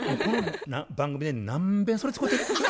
番組で何べんそれ使うてる？